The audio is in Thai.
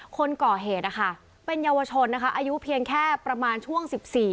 คนก่อเหตุนะคะเป็นเยาวชนนะคะอายุเพียงแค่ประมาณช่วง๑๔